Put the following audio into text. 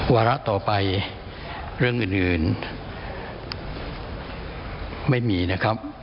วาระต่อไปเรื่องอื่นไม่มีนะครับ